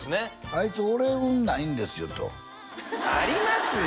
「あいつ俺運ないんですよ」とありますよ